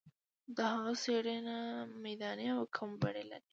د هغه څېړنه میداني او کمي بڼه لري.